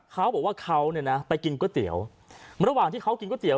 เขาบอกว่าเขาเนี่ยนะไปกินก๋วยเตี๋ยวระหว่างที่เขากินก๋วเตี๋ย